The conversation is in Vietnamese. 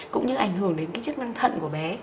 cũng như ảnh hưởng đến cái chức năng thận của bé